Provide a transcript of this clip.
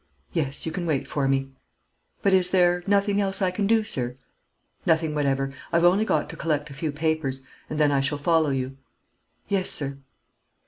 "Yes; you can wait for me." "But is there nothing else I can do, sir?" "Nothing whatever. I've only got to collect a few papers, and then I shall follow you." "Yes, sir."